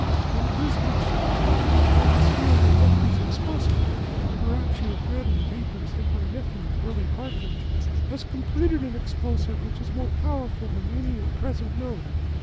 "Lord Wisbeach thought that they were trying to steal my nephew's explosive. Perhaps you have read in the papers that my nephew, Willie Partridge, has completed an explosive which is more powerful than any at present known.